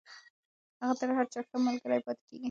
هغه تر هر چا ښه ملگرې پاتې کېږي.